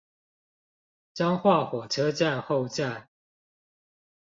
彰化火車站後站